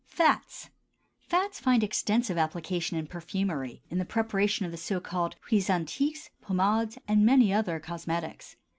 FATS. Fats find extensive application in perfumery, in the preparation of the so called huiles antiques, pomades, and many other cosmetics.